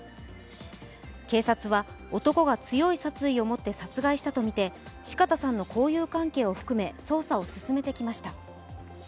警察は、男が強い殺意をもって殺害したとみて四方さんの交友関係を含め捜査を進めてきました。